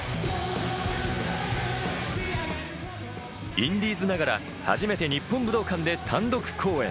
インディーズながら、初めて日本武道館で単独公演。